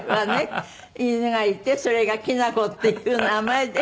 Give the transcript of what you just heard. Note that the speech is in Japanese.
犬がいてそれがきなこっていう名前で。